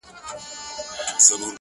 • الله ته لاس پورته كړو ـ